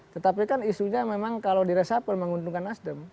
tetapi kan isunya memang kalau di resapel menguntungkan nasdem